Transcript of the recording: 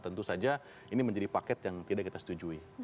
tentu saja ini menjadi paket yang tidak kita setujui